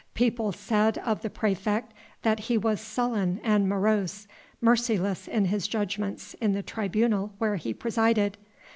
People said of the praefect that he was sullen and morose, merciless in his judgments in the tribunal where he presided.